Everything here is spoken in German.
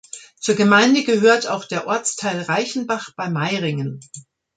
Zur Gemeinde gehört auch der Ortsteil Reichenbach bei Meiringen.